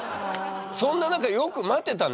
そんな中よく待てたね。